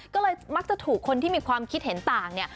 ก็เลยมักจะถูกคนที่มีความคิดเห็นต่างเนี่ย